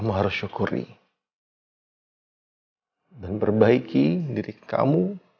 mereka rapi dengar ama allah